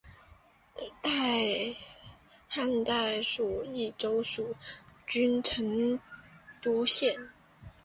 汉代属益州蜀郡成都县。